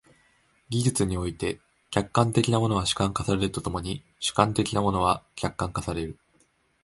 技術において、客観的なものは主観化されると共に主観的なものは客観化される。